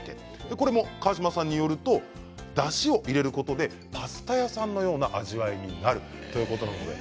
これも川島さんによるとだしを入れることでパスタ屋さんのような味わいになるということです。